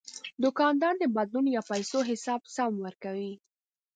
دوکاندار د بدلون یا پیسو حساب سم ورکوي.